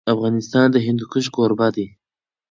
افغانستان د هندوکش کوربه دی.